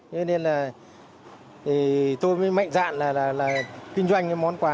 cho nên là tôi mới mạnh dạn là kinh doanh cái món quà